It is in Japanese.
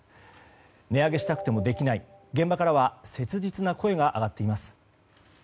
値上げしたくてもできない現場からは切実な声が上がっています。